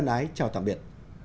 xin chào tạm biệt